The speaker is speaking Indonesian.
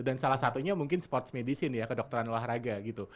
dan salah satunya mungkin sports medicine ya kedokteran olahraga gitu